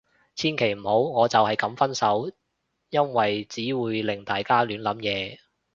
千祈唔好，我就係噉分手。因為只會令大家亂諗嘢